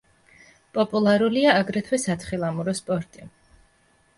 პოპულარულია აგრეთვე სათხილამურო სპორტი.